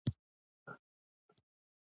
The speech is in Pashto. په حقیقت کې د سعدي دا بیت ډېر ښه دی.